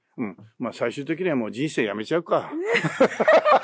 最終的には人生やめちゃうか。